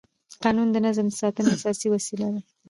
قانون د نظم د ساتنې اساسي وسیله ده.